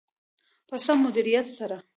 په سم مدیریت سره.